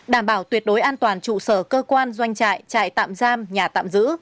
đảm bảo tuyệt đối an toàn trụ sở cơ quan doanh trại chạy tạm giam nhà tạm giữ